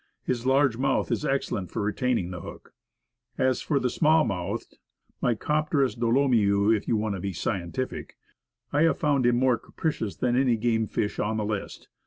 His large mouth is excellent for retaining the hook. As for the small mouthed (Micropterus dolomieu, if you want to be scientific), I have found him more capricious than any game fish on the list.